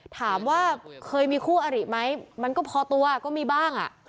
ถามว่าเคยมีคู่อริไหมมันก็พอตัวก็มีบ้าง